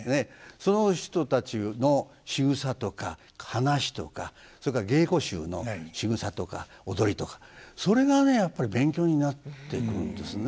その人たちのしぐさとか話とかそれから芸妓衆のしぐさとか踊りとかそれがねやっぱり勉強になってくるんですね。